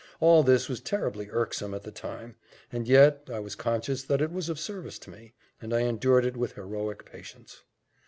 All this was terribly irksome at the time, and yet I was conscious that it was of service to me, and I endured it with heroic patience.